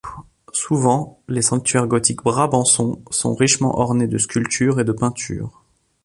Souvent les sanctuaires gothiques brabançons sont richement ornés de sculptures et de peintures.